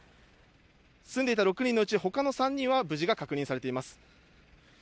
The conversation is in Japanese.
住んでいた６人のうち、ほかの３人は無事が確認されています。